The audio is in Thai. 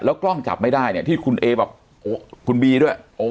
กล้องจับไม่ได้เนี่ยที่คุณเอบอกคุณบีด้วย